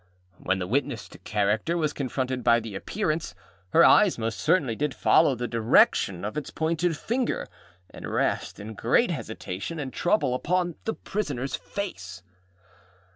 When the witness to character was confronted by the Appearance, her eyes most certainly did follow the direction of its pointed finger, and rest in great hesitation and trouble upon the prisonerâs face.